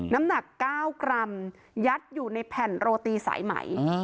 น้ำหนัก๙กรัมยัดอยู่ในแผ่นโรตีสายไหม